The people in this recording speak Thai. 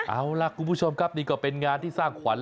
เอาล่ะคุณผู้ชมครับนี่ก็เป็นงานที่สร้างขวัญ